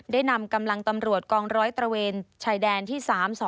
ได้นำกำลังตำรวจกองร้อยตระเวนชายแดนที่๓๒